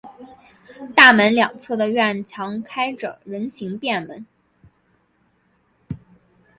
大门两侧的院墙开着人行便门。